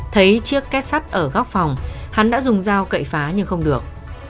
thấy chiếc két sắt ở góc phòng hắn đã dùng dao cậy phá nhưng không được